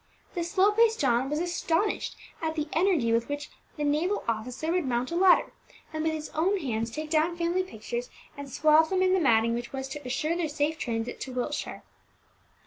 The slow paced John was astonished at the energy with which the naval officer would mount a ladder, and with his own hands take down family pictures and swathe them in the matting which was to secure their safe transit to Wiltshire.